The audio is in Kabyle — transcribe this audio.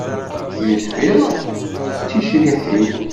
Yusef iṛuḥ d ticriḥin!